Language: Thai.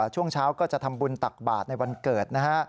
ช่วงเช้าก็จะทำบุญตักบาทในวันเกิดนะฮะ